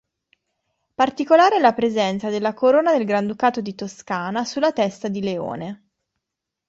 Particolare è la presenza della corona del Granducato di Toscana sulla testa di leone.